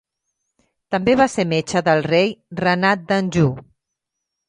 També va ser metge del rei Renat d'Anjou.